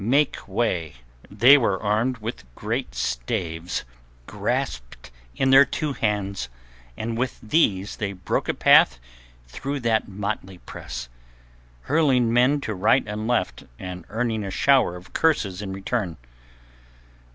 Make way!" They were armed with great staves, grasped in their two hands, and with these they broke a path through that motley press, hurling men to right and left and earning a shower of curses in return.